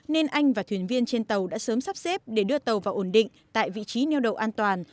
nên anh và thuyền viên trên tàu đã sớm sắp xếp để đưa tàu vào ổn định tại vị trí neo đậu an toàn